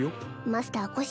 マスター腰